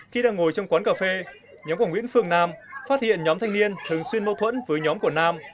khi đang ngồi trong quán cà phê nhóm của nguyễn phương nam phát hiện nhóm thanh niên thường xuyên mâu thuẫn với nhóm của nam